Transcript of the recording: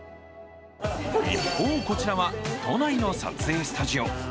一方、こちらは都内の撮影スタジオ。